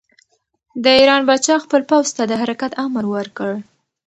د ایران پاچا خپل پوځ ته د حرکت امر ورکړ.